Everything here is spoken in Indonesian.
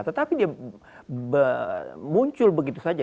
tetapi dia muncul begitu saja